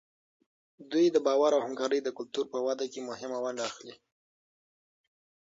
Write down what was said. دوی د باور او همکارۍ د کلتور په وده کې مهمه ونډه اخلي.